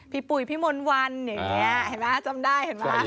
พี่ปุ๋ยพี่มนต์วันอย่างนี้จำได้เห็นไหม